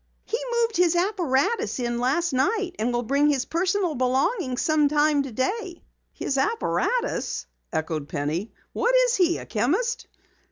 He moved his apparatus in last night and will bring his personal belongings sometime today." "His apparatus?" echoed Penny. "What is he, a chemist?"